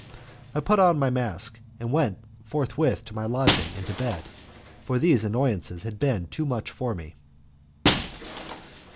I put on my mask, and went forthwith to my lodging and to bed, for these annoyances had been too much for me.